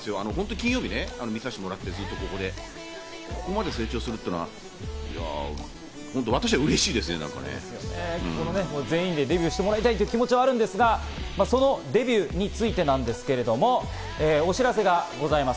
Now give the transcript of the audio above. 金曜日、見させてもらって、ずっとここで、ここでここまで成長するというのは私は全員でデビューしてもらいたい気持ちはあるんですが、そのデビューについてなんですけれども、お知らせがございます。